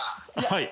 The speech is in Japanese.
はい。